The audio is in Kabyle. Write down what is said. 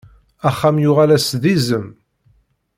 Axxam yuɣal-as d izem.